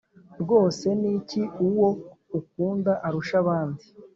Rwose ni iki uwo ukunda arusha abandi,